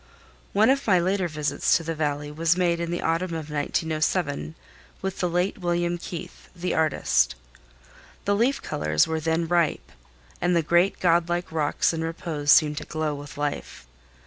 One of my later visits to the Valley was made in the autumn of 1907 with the late William Keith, the artist. The leaf colors were then ripe, and the great godlike rocks in repose seemed to glow with life.